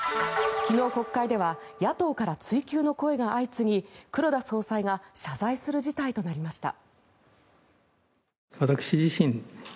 昨日、国会では野党から追及の声が相次ぎ黒田総裁が謝罪する事態となりました。